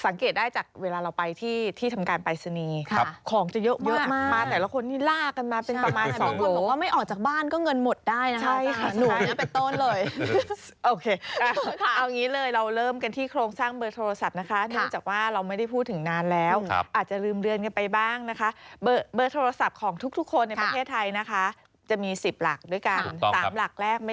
สังเกตได้จากเวลาเราไปที่ที่ทำการปรายศนีครับของจะเยอะมากมาแต่ละคนนี่ลากันมาเป็นประมาณสองโหลว่าไม่ออกจากบ้านก็เงินหมดได้นะใช่ค่ะหนูเป็นต้นเลยโอเคเอางี้เลยเราเริ่มกันที่โครงสร้างเบอร์โทรศัพท์นะคะเนื่องจากว่าเราไม่ได้พูดถึงนานแล้วครับอาจจะลืมเรือนกันไปบ้างนะคะเบอร์เบอร์โทรศัพท์ของทุกคนในประเทศไ